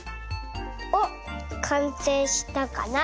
おっかんせいしたかな。